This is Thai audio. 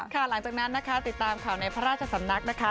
หลังจากนั้นนะคะติดตามข่าวในพระราชสำนักนะคะ